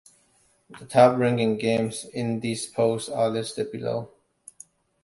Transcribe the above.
The top-ranking games in these polls are listed below.